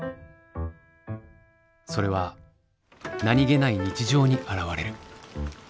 それは何気ない日常にあらわれる。